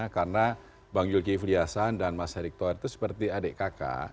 karena bang yul ki fliassan dan mas erik thohir itu seperti adik kakak